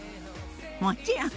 もちろん！